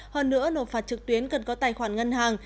hơn nữa nộp phạt trực tuyến cần có tài khoản ngân hàng